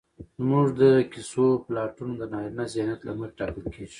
زموږ د کيسو پلاټونه د نارينه ذهنيت له مخې ټاکل کېږي